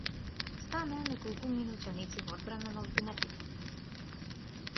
Станаа неколкумина ученици во одбрана на обвинетите.